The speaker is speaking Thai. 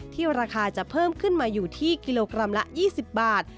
ราคาจะเพิ่มขึ้นมาอยู่ที่กิโลกรัมละ๒๐บาท